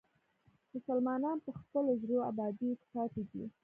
مسلمانان په خپلو زړو ابادیو کې پاتې دي.